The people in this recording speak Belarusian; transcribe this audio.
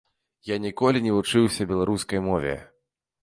Я ніколі не вучыўся беларускай мове.